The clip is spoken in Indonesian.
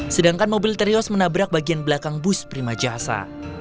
sedangkan mobil terios menabrak bagian belakang bus prima jasa